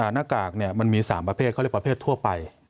หน้ากากมันมี๓ประเภทเขาเรียกประเภททั่วไป